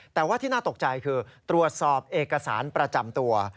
แต่ว่าที่น่าตกใจคือตรวจสอบเอกสารประจำตัว